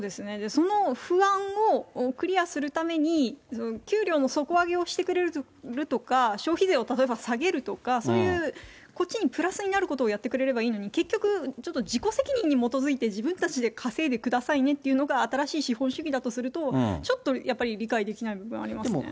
その不安をクリアするために、給料の底上げをしてくれるとか、消費税を例えば下げるとか、そういう、こっちにプラスになることをやってくれればいいのに、結局ちょっと自己責任に基づいて自分たちで稼いでくださいねっていうのが新しい資本主義だとすると、ちょっとやっぱり理解できない部分はありますね。